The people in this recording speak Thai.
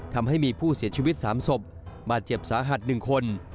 ทำให้มีผู้เสียชีวิต๓ศพบาดเจ็บสาหัส๑คน